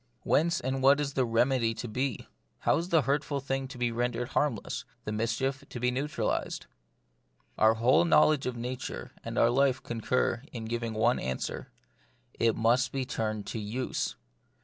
Whence and what is the remedy to be ? How is the hurtful thing to be rendered harmless, the mischief to be neu tralised ? Our whole knowledge of nature and of life concur in giving one answer : it must be turned to use.